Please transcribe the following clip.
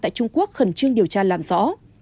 tại trung quốc khẩn trương điều tra làm rõ